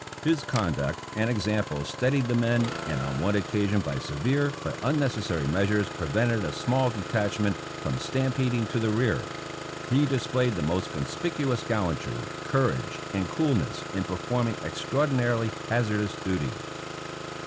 His conduct and example steadied the men and on one occasion by severe but unnecessary measures pre vented a small detachment from stampeding to the rear. He displayed the most conspicuous gallantry, courage and coolness, in performing extraordinarily hazardous duty.